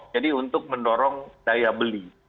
jadi untuk mendorong daya beli